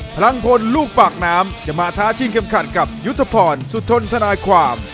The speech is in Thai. พลังพลลูกปากน้ำจะมาท้าชิงเข็มขัดกับยุทธพรสุทนทนายความ